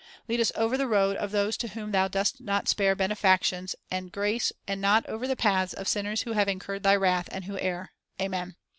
Lead us over the road of those to whom thou dost not spare benefactions and grace and not over the paths of sinners who have incurred Thy wrath and who err. Amen."